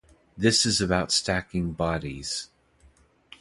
This is about stacking bodies.